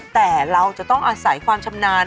แต่เราจะต้องอาศัยความชำนาญ